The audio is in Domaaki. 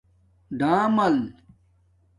ڈامل